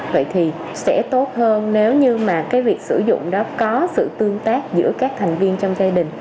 vậy thì sẽ tốt hơn nếu như mà cái việc sử dụng đó có sự tương tác giữa các thành viên trong gia đình